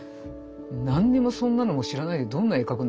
「何にもそんなのも知らないでどんな絵描くんだ」